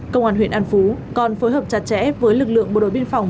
công an huyện an phú còn phối hợp chặt chẽ với lực lượng bộ đội biên phòng